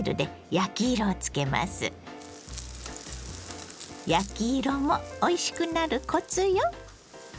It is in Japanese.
焼き色もおいしくなるコツよ。